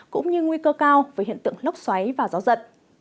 cũng như nguy cơ cao với hiện tượng lốc xoáy và gió giật